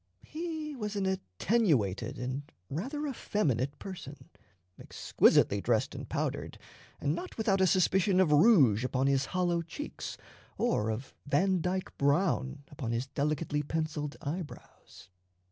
He was an attenuated and rather effeminate person, exquisitely dressed and powdered, and not without a suspicion of rouge upon his hollow cheeks or of Vandyke brown upon his delicately penciled eyebrows.